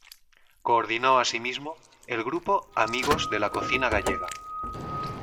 Coordinó asimismo el grupo Amigos de la Cocina Gallega.